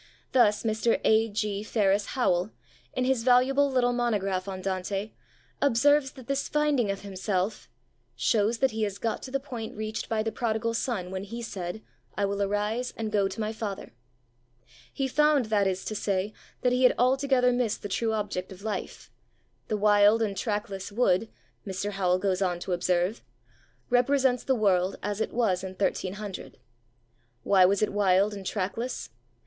Thus, Mr. A. G. Ferress Howell, in his valuable little monograph on Dante, observes that this finding of himself 'shows that he has got to the point reached by the prodigal son when he said, "I will arise and go to my father." He found, that is to say, that he had altogether missed the true object of life. The wild and trackless wood,' Mr. Howell goes on to observe, 'represents the world as it was in 1300. Why was it wild and trackless?